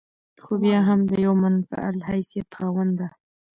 خو بيا هم د يوه منفعل حيثيت خاونده